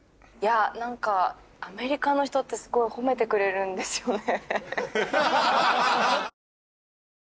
何かアメリカの人ってすごい褒めてくれるんですよね。